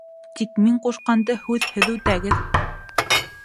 Тик мин ҡушҡанды һүҙһеҙ үтәгеҙ!